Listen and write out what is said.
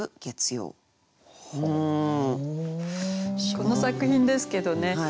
この作品ですけどね